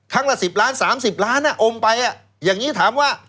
ครั้งละสิบล้านสามสิบล้านอมไปอย่างนี้ถามว่า